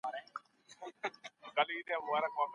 کړکۍ د یوې پټې اشارې په څېر په لړزه شوه.